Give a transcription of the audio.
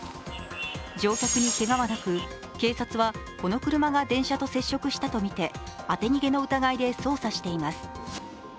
乗客にけがはなく、警察はこの車が電車と接触したとみて当て逃げの疑いで捜査しています。